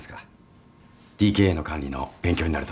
ＤＫＡの管理の勉強になると思います。